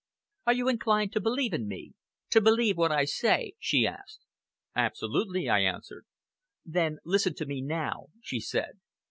"Are you inclined to believe in me to believe what I say?" she asked. "Absolutely," I answered. "Then listen to me now," she said.